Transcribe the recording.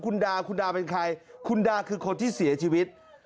คุณดาคุณดาเป็นใครคุณดาคือคนที่เสียชีวิต